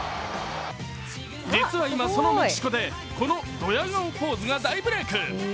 実は今、そのメキシコでこのドヤ顔ポーズが大ブレーク。